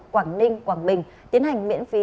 quảng ninh quảng bình tiến hành miễn phí